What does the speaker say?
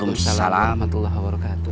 alhamdulillah warahmatullahi wabarakatuh